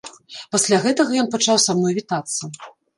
Пасля гэтага ён пачаў са мной вітацца.